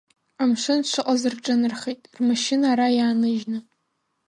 Амшын шыҟаз рҿынархеит, рмашьына ара иааныжьны.